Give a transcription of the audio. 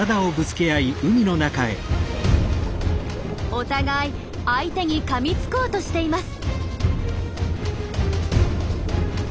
お互い相手にかみつこうとしています。